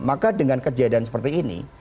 maka dengan kejadian seperti ini